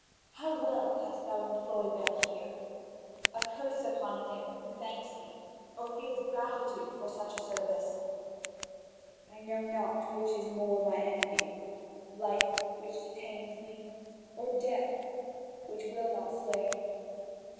How well hast thou employed them here! A curse upon him who thanks thee or feels gratitude for such a service! I know not which is more my enemy: life, which detains me, or death, which will not slay me.